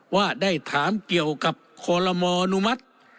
ว่าได้ถามเกี่ยวกับคอลโลมออนุมัติ